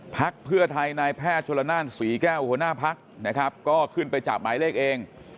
พักเพื่อไทยนายแพทย์ชนละนานศรีแก้วหัวหน้าพักนะครับก็ขึ้นไปจับหมายเลขเอง